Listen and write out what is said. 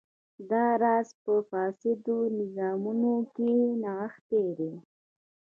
دا راز په فاسدو نظامونو کې نغښتی دی.